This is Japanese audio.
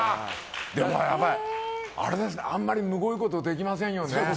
でもあれですね、あんまりむごいことできませんよね。